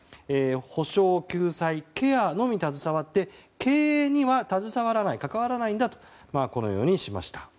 補償・救済・ケアのみ携わって経営には携わらない、関わらないとこのようにしました。